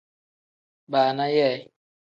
Baana yee.